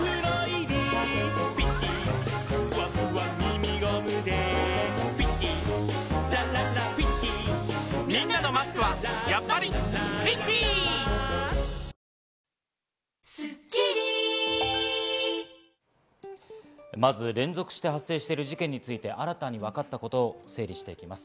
実は犯人の多くは家への侵入にまず、連続して発生している事件について、新たに分かったことを整理していきます。